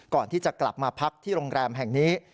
ก่อนที่จะกลับมาพักที่โรงแรมแห่งนี้